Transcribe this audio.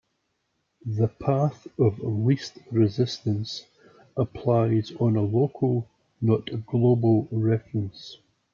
The path of least resistance applies on a local, not global, reference.